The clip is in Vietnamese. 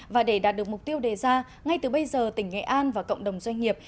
và để đạt được mục tiêu đề ra ngay từ bây giờ tỉnh nghệ an và cộng đồng doanh nghiệp